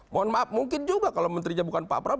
mohon maaf mungkin juga kalau menterinya bukan pak prabowo